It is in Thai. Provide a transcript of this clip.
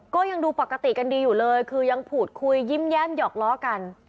ก็ยังดูปกติกันดีอยู่เลยคือยังพูดคุยยิ้มแย้มหยอกล้อกัน